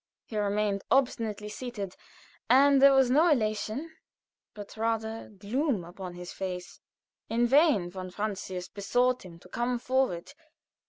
He remained obstinately seated, and there was no elation, but rather gloom upon his face. In vain von Francius besought him to come forward.